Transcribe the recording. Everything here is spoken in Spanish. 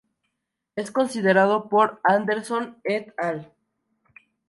Es considerado por Anderson "et al.